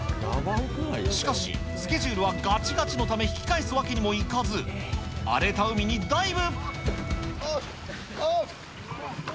しかし、スケジュールはがちがちのため、引き返すわけにもいかず、荒れた海にダイブ。